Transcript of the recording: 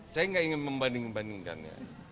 saya nggak ingin membanding bandingkannya